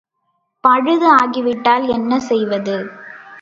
பழுது ஆகிவிட்டால் என்ன செய்வது?